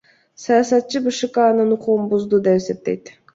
Саясатчы БШК анын укугун бузду деп эсептейт.